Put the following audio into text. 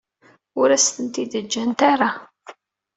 Ur as-tent-id-ǧǧant ara.